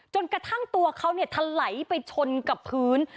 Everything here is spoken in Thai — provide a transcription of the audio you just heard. จนกระทั่งตัวเขาทะไหลไปชนกับพื้น